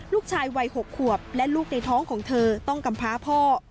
ลูกชายวัย๖ขวบและลูกในท้องของเธอต้องกำพาพ่อ